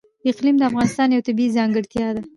اقلیم د افغانستان یوه طبیعي ځانګړتیا ده.